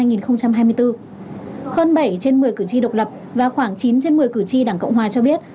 hơn bảy trên một mươi cử tri độc lập và khoảng chín trên một mươi cử tri đảng cộng hòa cho biết